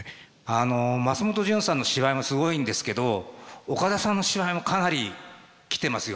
あの松本潤さんの芝居もすごいんですけど岡田さんの芝居もかなりきてますよ。